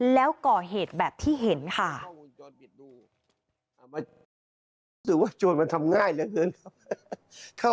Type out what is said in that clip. แล้วก่อเหตุแบบที่เห็นค่ะ